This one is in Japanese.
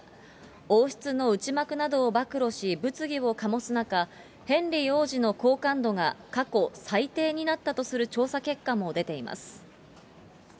王室の内幕などを暴露し、物議を醸す中、ヘンリー王子の好感度が過去最低になったとする調査結果も出ています。